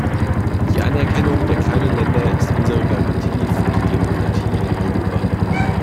Die Anerkennung der kleinen Länder ist unsere Garantie für die Demokratie in Europa.